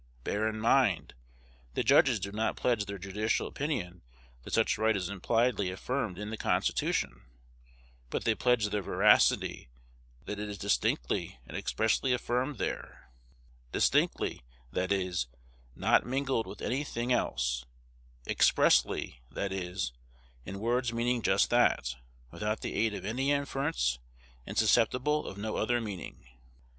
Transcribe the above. Bear in mind, the judges do not pledge their judicial opinion that such right is impliedly affirmed in the Constitution; but they pledge their veracity that it is distinctly and expressly affirmed there, "distinctly," that is, not mingled with any thing else; "expressly," that is, in words meaning just that, without the aid of any inference, and susceptible of no other meaning.